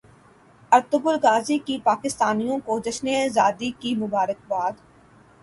Ertugrul Ghazi کی پاکستانیوں کو جشن زادی کی مبارکباد